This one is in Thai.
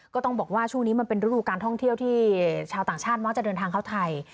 ก็ต้องบอกว่าช่วงนี้มันเป็นฤดูการท่องเที่ยวที่ชาวต่างชาติมักจะเดินทางเข้าไทย